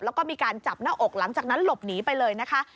แล้วก็มีการจับหน้าอกหลังจากนั้นหลบหนีไปเลยนะคะ